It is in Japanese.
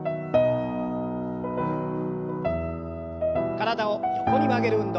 体を横に曲げる運動。